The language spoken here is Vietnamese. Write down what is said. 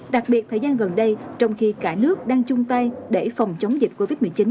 đặc biệt thời gian gần đây trong khi cả nước đang chung tay để phòng chống dịch covid một mươi chín